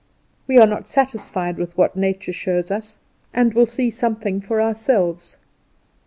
We are not satisfied with what Nature shows us, and we see something for ourselves.